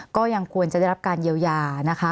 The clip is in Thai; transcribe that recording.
ก็ยังควรจะได้รับการเยียวยานะคะ